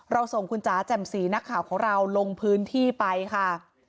ส่งคุณจ๋าแจ่มสีนักข่าวของเราลงพื้นที่ไปค่ะ